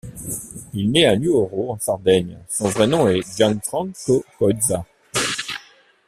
Il nait à Nuoro, en Sardaigne.Son vrai nom est Gianfranco Coizza.